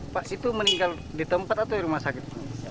pak itu meninggal di tempat atau di rumah sakit